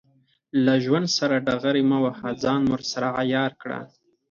له ژوند سره ډغرې مه وهه، ځان ورسره عیار کړه.